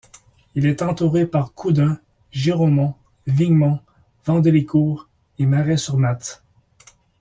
Il est entouré par Coudun, Giraumont, Vignemont, Vandelicourt et Marest-sur-Matz.